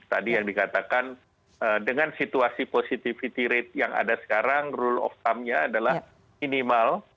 tadi yang dikatakan dengan situasi positivity rate yang ada sekarang rule of thumnya adalah minimal